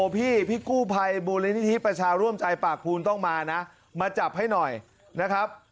พี่กู้ภัยมูลนิธิประชาร่วมใจปากภูนต้องมานะมาจับให้หน่อยนะครับ